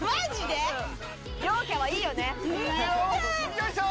よいしょ！